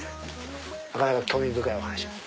なかなか興味深いお話を。